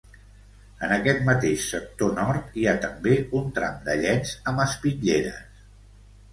En aquest mateix sector nord hi ha també un tram de llenç amb espitlleres.